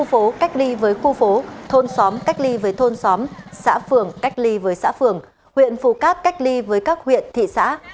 khu phố cách ly với khu phố thôn xóm cách ly với thôn xóm xã phường cách ly với xã phường huyện phù cát cách ly với các huyện thị xã